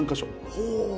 ほう。